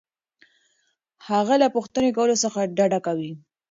هغه له پوښتنې کولو څخه ډډه کوي.